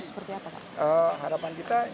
seperti apa pak harapan kita